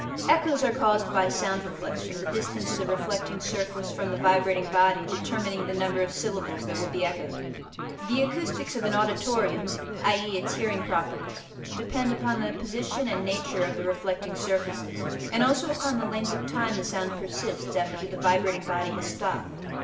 Echoes are caused by sound reflection, the distance of the reflecting surface from the vibrating body determining the number of syllables that will be echoed. The acoustics of an auditorium (i.e., its hearing properties) depend upon the position and nature of the reflecting surfaces and also upon the length of time a sound persists after the vibrating body has stopped.